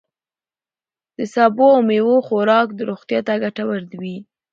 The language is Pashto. د سبوو او میوو خوراک روغتیا ته ګتور وي.